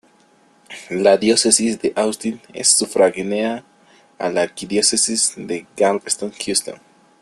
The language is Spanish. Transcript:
La Diócesis de Austin es sufragánea de la Arquidiócesis de Galveston-Houston.